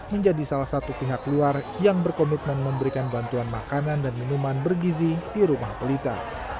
menjadi salah satu pihak luar yang berkomitmen memberikan bantuan makanan dan minuman bergizi di rumah pelita